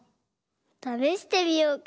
ためしてみようか。